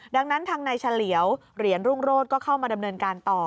ดังนั้นทางนายเฉลียวเหรียญรุ่งโรธก็เข้ามาดำเนินการต่อ